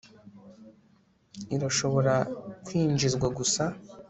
irashobora kwinjizwa gusa